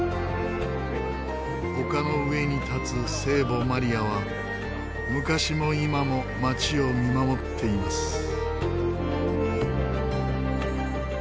丘の上に立つ聖母マリアは昔も今も街を見守っています。